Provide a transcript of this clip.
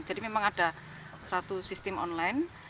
jadi memang ada satu sistem online